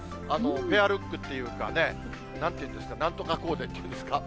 ペアルックっていうかね、なんていうんですか、なんとかコーデっていうんですか。